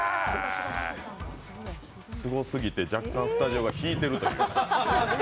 すごすぎて若干、スタジオが引いているという。